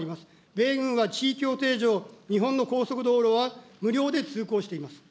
米軍は地位協定上、日本の高速道路は無料で通行しています。